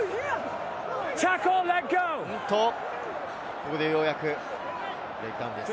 ここでようやくブレイクダウンです。